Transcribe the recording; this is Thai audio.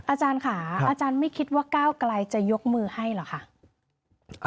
อาจารย์ค่ะอาจารย์ไม่คิดว่าก้าวไกลจะยกมือให้เหรอคะ